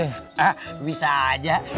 hah bisa aja